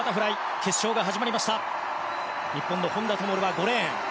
日本の本多灯は５レーンです。